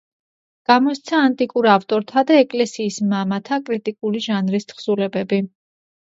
გამოსცა ანტიკურ ავტორთა და ეკლესიის მამათა კრიტიკული ჟანრის თხზულებები.